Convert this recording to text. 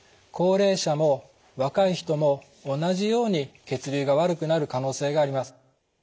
高齢者も若い人も同じように血流が悪くなる可能性があります。